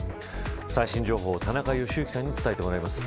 最新情報を田中良幸さんに伝えてもらいます。